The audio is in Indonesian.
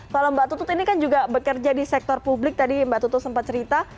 kalau mbak tutut ini kan juga bekerja di sektor publik tadi mbak tutut sempat cerita